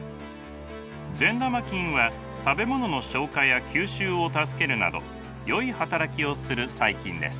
善玉菌は食べ物の消化や吸収を助けるなどよい働きをする細菌です。